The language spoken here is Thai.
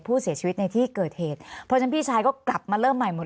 ผู้เสียชีวิตในที่เกิดเหตุเพราะฉะนั้นพี่ชายก็กลับมาเริ่มใหม่หมด